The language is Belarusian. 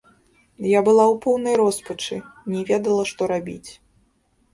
Я была ў поўнай роспачы, не ведала, што рабіць.